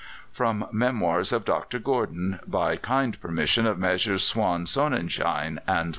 "From Memoirs of Dr. Gordon." By kind permission of Messrs. Swan Sonnenschein and Co.